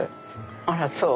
あらそう。